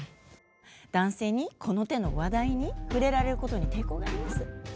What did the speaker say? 男性にこの手の話題に触れられることに抵抗？